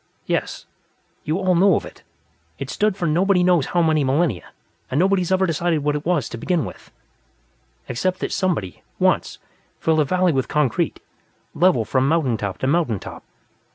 "Yes. You all know of it. It's stood for nobody knows how many millennia, and nobody's ever decided what it was, to begin with, except that somebody, once, filled a valley with concrete, level from mountain top to mountain top.